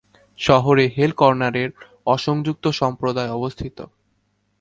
শহরে হেল কর্নারের অ-সংযুক্ত সম্প্রদায় অবস্থিত।